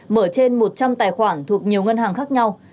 mở trên một trăm linh tài khoản thuộc nhiều ngân hàng khác nhau